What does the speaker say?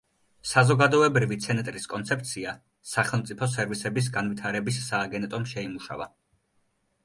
საზოგადოებრივი ცენტრის კონცეფცია სახელმწიფო სერვისების განვითარების სააგენტომ შეიმუშავა.